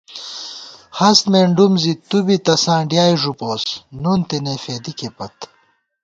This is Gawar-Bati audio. ہست مېنڈُوم زی تُو بی تساں ڈیائےݫُپوس ، نُن تېنےفېدِکےپت